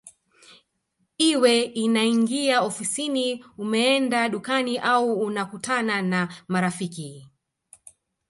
Iwe unaingia ofisini umeenda dukani au unakutana na marafiki